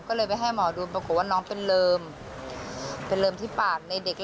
ก็เลยไปให้หมอดูปรากฏว่าน้องเป็นเริมที่ปากในเด็กเล่กเกิด